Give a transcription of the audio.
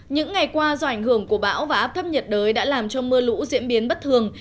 những ngày qua do ảnh hưởng của bão và áp thấp nhiệt đới đã làm cho mưa lũ diễn biến bất thường